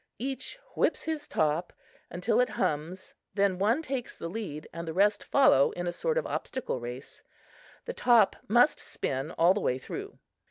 Each whips his top until it hums; then one takes the lead and the rest follow in a sort of obstacle race. The top must spin all the way through.